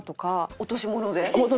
落とし物で。